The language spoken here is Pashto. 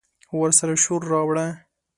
ورسره شور، راوړه